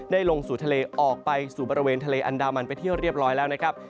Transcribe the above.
ลงสู่ทะเลออกไปสู่บริเวณทะเลอันดามันไปเที่ยวเรียบร้อยแล้วนะครับ